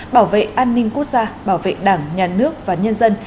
bảo vệ an ninh quốc gia bảo vệ đảng nhà nước và nhân dân